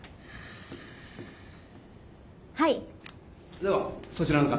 ではそちらの方。